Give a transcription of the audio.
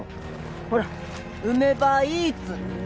ほら梅ばあイーツ！